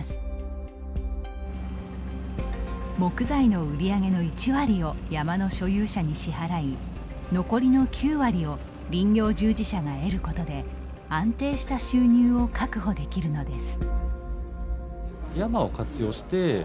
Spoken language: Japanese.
木材の売り上げの１割を山の所有者に支払い残りの９割を林業従事者が得ることで安定した収入を確保できるのです。